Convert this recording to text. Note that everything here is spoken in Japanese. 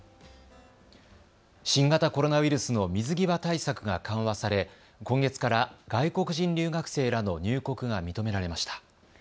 新型コロナウイルスの水際対策が緩和され今月から外国人留学生らの入国が認められました。